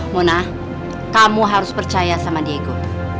mona kamu harus percaya sama diego